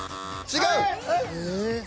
違う。